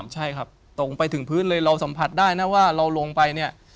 ใช่ครับตรงไปถึงพื้นเลยเราสัมผัสได้นะว่าเราลงไปเนี่ย